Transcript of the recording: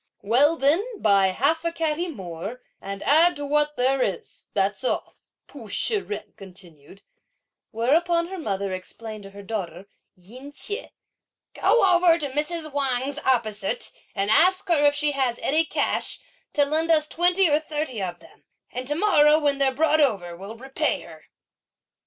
"Well, then, buy half a catty more, and add to what there is, that's all," Pu Shih jen continued; whereupon her mother explained to her daughter, Yin Chieh, "Go over to Mrs. Wang's opposite, and ask her if she has any cash, to lend us twenty or thirty of them; and to morrow, when they're brought over, we'll repay her."